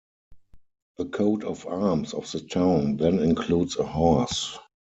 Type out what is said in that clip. The coat of arms of the town then includes a horse.